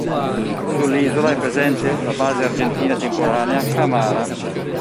Sull'isola è presente la base argentina temporanea Cámara.